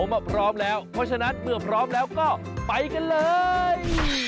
มาพร้อมแล้วเพราะฉะนั้นเมื่อพร้อมแล้วก็ไปกันเลย